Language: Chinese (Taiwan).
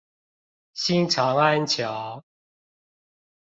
新長安橋